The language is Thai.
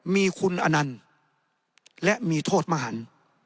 มีคุณอนันต์และมีโทษมหัน